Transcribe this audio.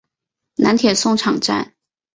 南铁送场站。